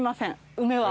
梅は。